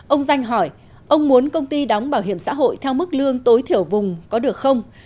ông danh hỏi ông muốn công ty đóng bảo hiểm xã hội theo mức lương tối thiểu vùng có được không